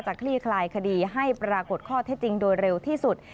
คลี่คลายคดีให้ปรากฏข้อเท็จจริงโดยเร็วที่สุด